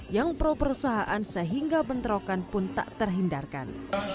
yang pro perusahaan sehingga bentrokan pun tak terhindarkan